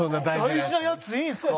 大事なやついいんですか？